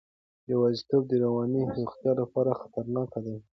یوازیتوب د رواني روغتیا لپاره خطرناک دی.